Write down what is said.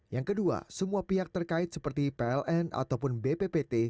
yang kedua semua pihak terkait seperti pln ataupun bppt